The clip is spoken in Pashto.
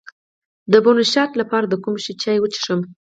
د برونشیت لپاره د کوم شي چای وڅښم؟